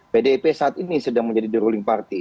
pdp saat ini sudah menjadi the ruling party